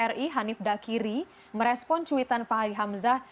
pemilik kerja ri hanif dakiri merespon cuitan fahri hamzah